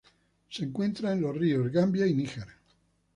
Se encuentra en los ríos Gambia y Níger.